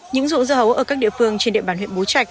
những ruộng dưa hấu ở các địa phương trên địa bàn huyện bố trạch